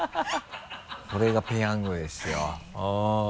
これが「ペヤング」ですよ。